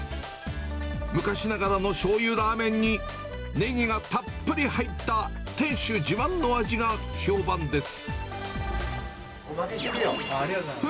昔ながらのしょうゆラーメンにネギがたっぷり入った店主自慢の味が評判です。